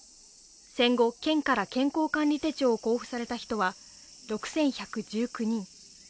戦後、県から健康管理手帳を交付された人は６１１９人。